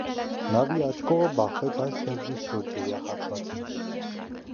Նավի աջ կողը բախվեց այսբերգի ստորջրյա հատվածին։